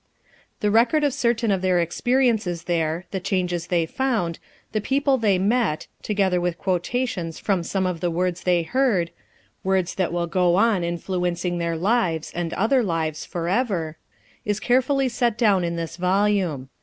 The record of certain of their experiences there, the changes they found, the people they met, together with quotations from some of the words they heard— words that will go on in fluencing their lives, and other lives, forever is carefully set down in this volume.